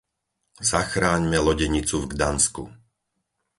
Zachráňme lodenicu v Gdansku!